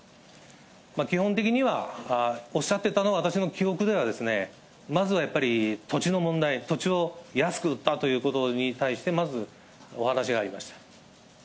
基本的にはおっしゃってたのは、私の記憶では、まずはやっぱり土地の問題、土地を安く売ったということに対して、まずお話がありました。